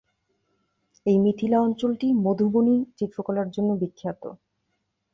এই মিথিলা অঞ্চলটি মধুবনী চিত্রকলার জন্য বিখ্যাত।